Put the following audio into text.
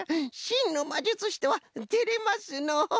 しんのまじゅつしとはてれますのう。